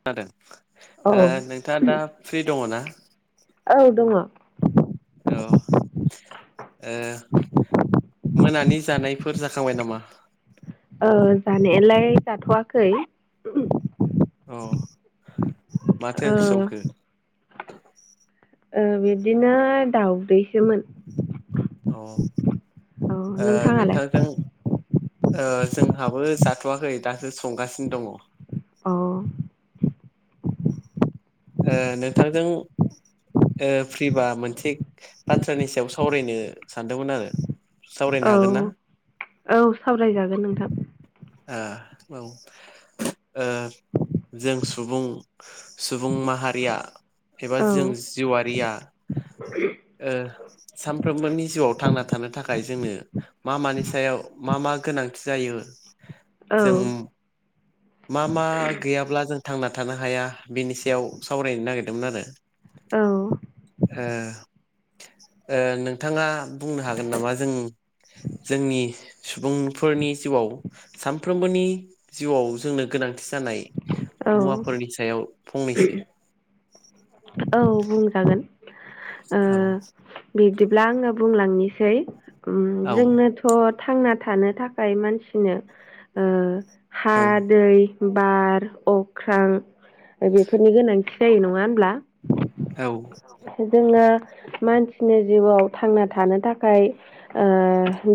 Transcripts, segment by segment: खोनादों औ ओ नोंथाङा दा फ्रि दङ ना औ दङ औ मोनानि जानाय फोर जाखांबाय नामा औ जानायालाय जाथ'वाखै अ माथो ओ ओंखि संखो बिदिनो दउदैसोमोन अ ओ नोंथाङालाय नोंथांजों जोंहाबो जाथ'वाखै दासो संगासिनो दङ अ ओ नोंथांजों प्रिभा मोनसे बाथ्रानि सायाव सावरायनो सानदोंमोन आंङो सावरायनो औ हागोन ना औ सावरायजागोन नोंथां औ ओ जों सुबुं सुबुं माहारिया एबा औ जों जिउआारिया सानफ्रोमबोनि जिउआव थांना थानो थाखाय जोंनो मा मानि सायाव मा मा गोनांथि जायो औ जों मा मा गैयाब्ला जों थांना थानो हाया बिनि सायाव सावरायनो नागिरदोंमोन आरो औ ओ नोंथाङा बुंनो हागोन नामा जों जोंनि सुबुंफोरनि जिउआव सानफ्रोमबोनि जिउआव जोंनो गोनां थि जानाय औ मुवाफोरनि सायाव फंनैसो औ बुंजागोन ओ औ बिब्दिब्ला आङो बुंलांनि। सै उम औ जोंनोथ' थांना थानो थाखाय मानसिनो ओ हा, औ दै बार अख्रां बेफोरनि गोनांथि जायो नङा होनब्ला? औ जोङो मानसिनि जिउआव थांना थानो थाखाय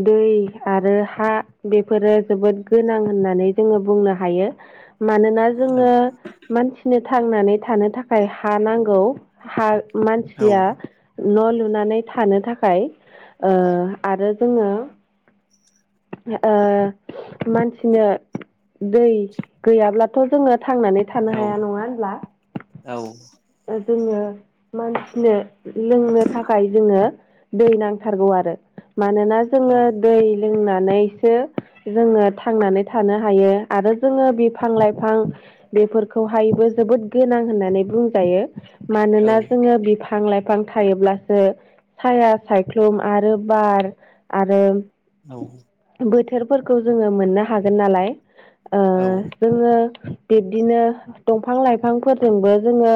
दै आरो हा बेफोरो जोबोद गोनां होननानै जोङो बुंनो हायो। मानोना जोङो मानसिनो थांनानै थानो थाखाय हा नांगौ हा औ मानसिया न' लुनानै थानो थाखाय आरो जोङो ओ मानसिनो दै गैयाब्लाथ' जोङो थांनानै थानो हाया नङा होनब्ला? औ जोङो मानसिनो लोंनो थाखाय जोङो दै नांथारगौ आरो मानोना जोङो दै लोंनानैसो जोङो थांनानै थानो हायो आरो जोङो बिफां लाइफां बेफोरखौहायबो जोबोद गोनां होननानै बुंजायो मानोना जोङो बि फां लाइफां थायोब्लासो साया सायख्लुम आरो बार आरो औ बोथोरफोरखौ जोङो मोननो हागोन नालाय औ जोङो बिब्दिनो दंफां लाइफांफोरजोंबो जोङो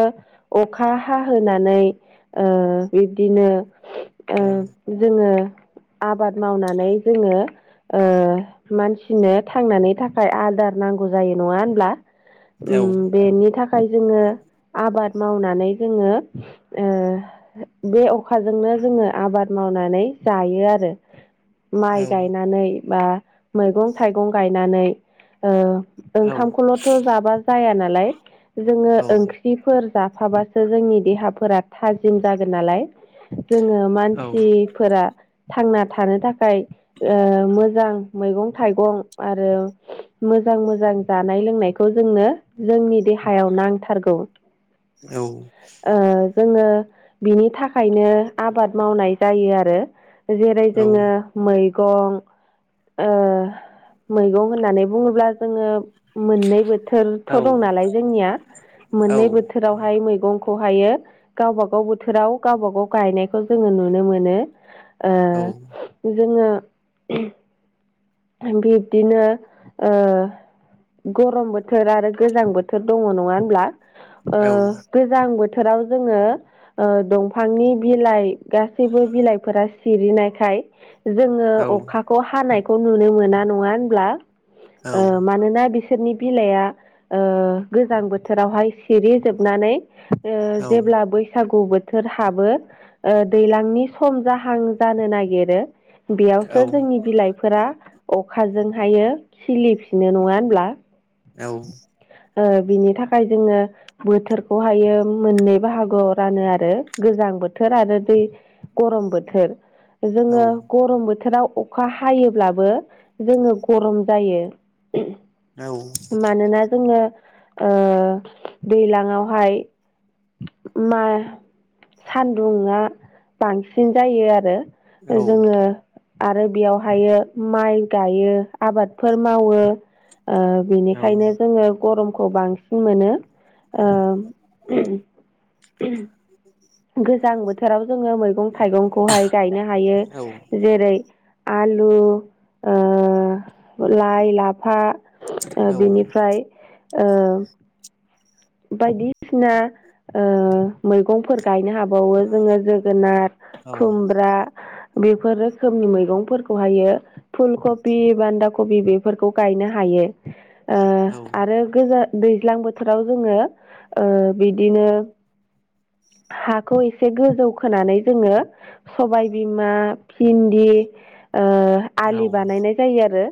अखा हाहोनानै ओ बिब्दिनो ओ औ जोङो आबाद मावनानै जोङो ओ मानसिनो थांनानै थाखाय आदार नांगौ जायो नङा ओनब्ला? औ उम बेनि थाखाय जोङो आबाद मावनानै जोङो बे अखाजोंनो जोङो आबाद मावनानै जायो आरो माइ गायनानै बा मैगं थाइगं गायनानै ओ ओंखामखौल'थ' जाबा जाया नालाय जोङो ओंख्रि फोर जाफाबासो जोंनि देहाफोरा थाजिम जागोन नालाय? जोङो मानसिफोरा थांना थानो थाखाय मोजां मैगं थाइगं आरो मोजां मोजां। जानाय लोंनायखौ जोंनो जोंनि देहायाव नांथारगौ। औ ओ जोङो बिनि थाखायनो आबाद मावनाय जायो आरो जेरै जोङो मै मैगं ओ मैगं होननानै बुङोब्ला जोङो मोननै बोथोरथ' दं नालाय जोंनिया मोननै बोथोरावहाय मैगंखौहायो गावबा गाव बोथोराव गावबा गाव गायनायखौ जोङो नुनो मोनो। ओ जोङो बिब्दिनो ओ गरम बोथोर आरो गोजां बोथोर दङ नङा होनब्ला? गोजां बोथोराव जोङो दंफांनि बिलाइ गासैबो बिलाइफोरा सिरिनायखाय जोङो अखाखौ हानाय नुनो मोना नङा होनब्ला मानोना बि बोसोरनि बिलाइआ गोजां बोथोरावहाय सिरि जोबनानै जेब्ला बैसागु गु बोथोर हाबो दैज्लांनि सम जाहां जानो नागिरो। बेयावसो जोंनि बिलाइ फोरा अखाजोंहायो खिलिफिननो नङा होनब्ला औ बिनि थाखाय जोङो बोथोरखौहायो मोननै बाहागोआव रानो आरो गोजां। गोजां बोथोर आरो दै गरम बोथोर जोङो गरम बोथोराव अखा हायोब्लाबो जोङो गरम जायो। मानोना जोङो दैलांआवहाय मा सान्दुंआ बांसिन जायो आरो जोङो आरो बेयाव हायो माइ गायो आबादफोर मावो बेनिखायनो जोङो गरमखौ बांसिन मोनो ओ गोजां बोथोराव जोङो मैगं थाइगंखौहाय गायनो हायो जेरै आलु ओ लाइ लाफा ओ औ बिनिफ्राय ओ बायदिसिना मैगंफोर गायनो हाबाय। बावो जोङो जोगोनार खुमब्रा बेफोर रोखोमनि मैगंफोरखौहायो फुलकबि बान्दा कबि बेफोरखौ गायनो हायो। आरो गोजान दैज्लां बोथोराव जोङो ओ बिदिनो हाखौ एसे गोजौ खोनानै जोङो सबायबिमा भिन्दि आलि बानायनाय जायो आरो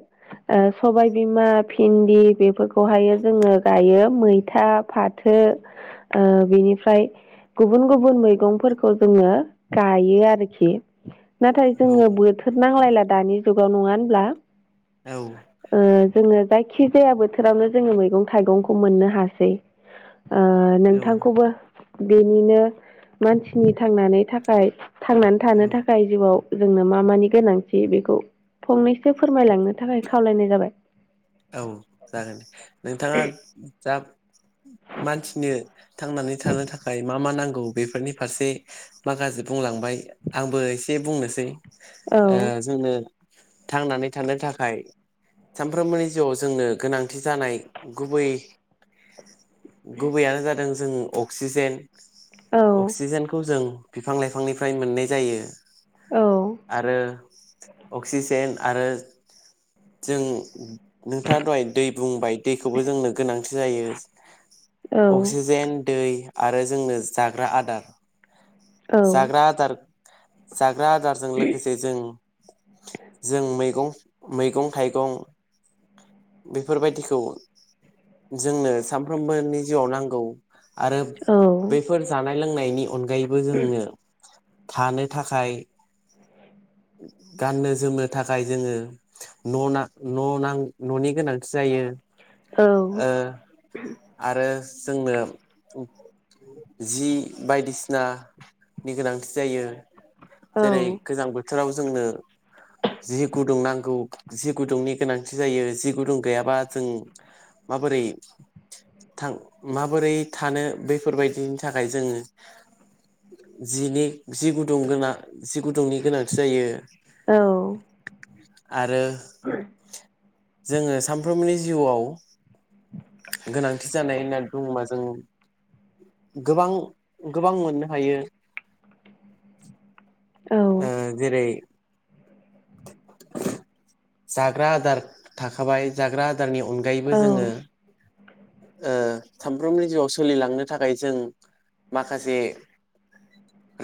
सबायबिमा भिन्दि बेफोरखौ खौहाय जोङो गायो मैथा फाथो बिनिफ्राय गुबुन गुबुन मैगंफोरखौ जोङो गायो आरोखि। नाथाय जोङो बोथोर नांलायला दानि जुगाव नङा होनब्ला ओ जोङो जायखि जाया बोथोरावनो जोङो मैगं थाइगंखौ मोननो हासै। नोंथांखौबो बेनिनो मानसिनि थांनानै थाखाय थांनानै थानो थाखाय जिउआव जोंनो मा मानि गोनांथि बेखौ फंनैसो फोरमायलांनो थाखाय खावलायनाय जाबाय। औ जागोन दे नोंथाङा जा मानसिनो थांनानै थानो थाखाय मा मा नांगौ बेफोरनि फारसे माखासे बुंलांबाय आंबो एसे बुंनोसै औ जोंनो थांनानै थानो थाखाय सानफ्रोमबोनि गोनांथि जानाय गुबै गुबैयानो जादों जों अक्सिजेन औ अक्सिजेनखौ जों बिफां लाइफांनिफ्राय मोननाय जायो। औ आरो अक्सिजेन आरो जों नोंथाङा दहाय दै बुंबाय दैखौबो जोंनो गोनांथि जायो। औ अक्सिजेन दै आरो जोंनो जाग्रा आदार औ जाग्रा आदार जाग्रा आदारजों लोगोसे जों जों मैगं मैगं थाइगं बेफोरबायदिखौ जोंनो सानफ्रोमबोनि जिउआव नांगौ। आरो औ बेफोर जानाय लोंनायनि अनगायैबो जोंनो थानो थाखाय गाननो जोमनो थाखाय जोङो न' ना न' नां न'नि गोनांथि जायो। औ आरो जोंनो जि बायदिसिनानि गोनांथि जायो। औ जेरै गोजां बोथोराव जोंनो जि गुदुं नांगौ जि गुदुंनि गोनांथि जायो जि गुदुं गैयाबा जों माबोरै थां माबोरै थानो बेफोरबायदिनि थाखाय जोङो जिनि जि गुदुं गोना जि गुदुंनि गोनांथि जायो औ आरो जोङो सामफ्रोमनि जिउआव गोनांथि जानाय होननानै बुङोबा जों गोबां गोबां मोननो हायो [inaudible] औ आ जेरै जाग्रा आदार थाखाबाय जाग्रा आ दारनि अनगायैबो जोङो ओ सामफ्रोमनि जिउआव सोलिलांनो थाखाय जों माखासे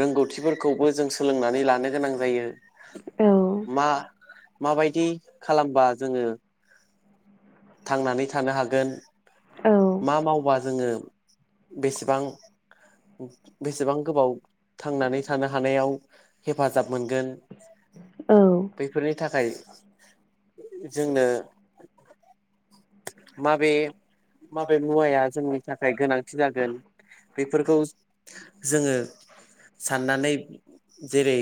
रोंगौथिफोरखौबो जों सोलोंनानै लानो गोनां जायो। मा माबायदि खालामबा जोङो थांनानै थानो हागोन मा मावबा जोङो बेसेबां बेसेबां गोबाव थांनानै थानो हानायाव हेफाजाब मोनगोन बैफोरनि थाखाय जोंनो माबे माबे मुवाया जोंनि थाखाय गोनांथि जागोन बेफोरखौ जोङो साननानै जेरै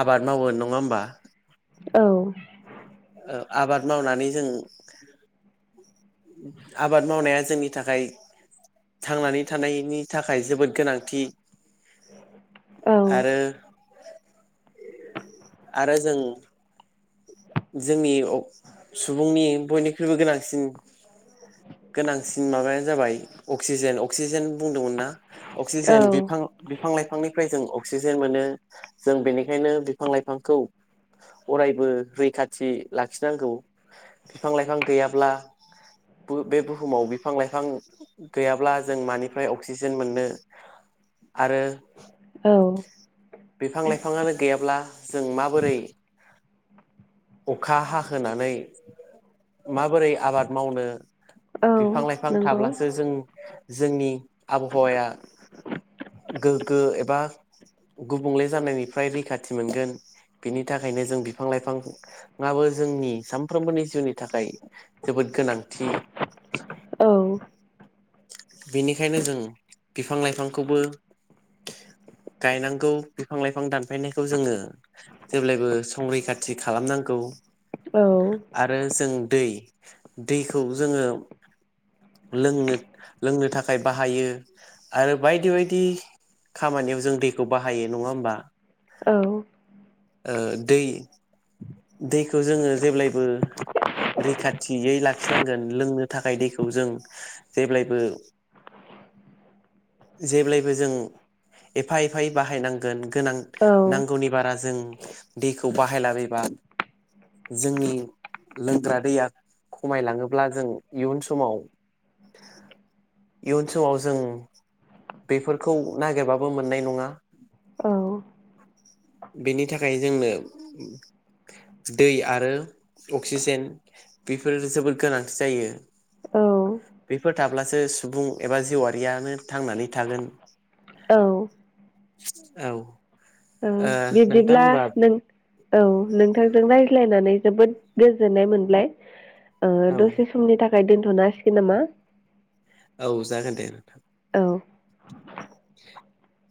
आबाद मावो नङा होमबा औ ओ आबाद मावनानै जों आबाद मावनाया जोंनि थाखाय थांनानै थानायनि थाखाय जोबोद गोनांथि आरो आरो जों जोंनि सुबुंनि बयनिख्रुइबो गोनांसिन गोनांसिन माबाय जाबाय अक्सिजेन अक्सिजेन बुंदोंमोनना औ अक्सिजेन बिफां बिफां लाइफांनि फ्राय जों अक्सिजेन मोनो जों बेनिखायनो बिफां लाइफांखौ अरायबो रैखाथि लाखिनांगौ बिफां लाइफां गैयाब्ला बे बुहुमाव बिफां लाइफां गैयाब्ला जों मानिफ्राय अक्सिजेन मोननो। आरो औ बिफां लाइफाङानो गैयाब्ला जों माबोरै अखा हाहोनानै माबोरै आबाद मावनो औ बिफां लाइफां नंगौ थाब्लासो जों जोंनि आबहावाया गोगो एबा गुबुंले जानायनिफ्राय रैखाथि मोनगोन बिनि थाखायनो जों बिफां लाइफां जोंनि सानफ्रोमबोनि जिउनि थाखाय जोबोद गोनांथि। औ। बेनिखायनो जों बिफां लाइफांखौबो गायनांगौ बिफां लाइफां दानफायनायखौ जोङो जेब्लायबो संरैखाथि खालामनांगौ औ आरो जों दै दैखौ जोङो लोंनो लोंनो थाखाय बाहायो आरो बायदि बायदि खामानियाव जों दैखौ बाहायो नङा होमबा। औ। ओ दै दैखौ जोङो जेब्लायबो रैखाथियै लाखिनांगोन लोंनो थाखाय दैखौ जों जेब्लायबो [inaudible] जेब्लायबो जों एफा एफायै बाहाय नांगोन गोनां नांगौनि बारा जों दैखौ बाहायलाबायबा। जोंनि लोंग्रा दैया खमायलाङोब्ला जों इयुन समाव [inaudible] इयुन समाव जों बेफोरखौ नागिरबाबो मोननाय नङा। औ बेनि थाखाय जोंनो दै आरो अक्सिजेन बेफोरो जोबोद गोनांथि जायो। औ बेफोर थाब्लासो सुबुं एबा जिवआाशरियानो थांनानै थागोन। औ। औ। नोंथां बिब्दिब्ला होमबा नों औ नोंथां। जों रायज्लायनानै जोबोद गोजोननाय मोनबाय औ दसे समनि थाखाय दोनथ'नो हासिगोन नामा। औ जागोन दे नोंथां। औ। [inaudible]